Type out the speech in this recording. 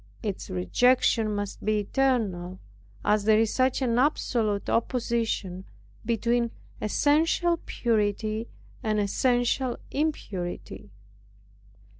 Its rejection must be eternal, as there is such an absolute opposition between essential purity and essential impurity.